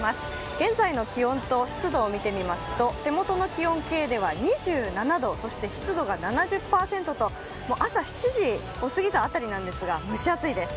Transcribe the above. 現在の気温と湿度を見てみますと手元の気温計では２７度、そして湿度が７０％と朝７時をすぎた辺りなんですが、蒸し暑いです。